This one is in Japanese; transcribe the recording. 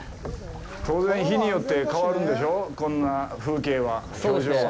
当然、日によって変わるんでしょうこんな風景は、表情は。